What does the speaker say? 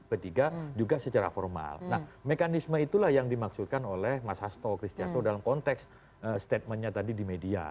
oke dilanjutkan pdi berkunjung ke pdi p tiga juga secara formal nah mekanisme itulah yang dimaksudkan oleh mas hasto kristianto dalam konteks statementnya tadi di media